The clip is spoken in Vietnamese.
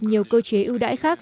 nhiều cơ chế ưu đãi khác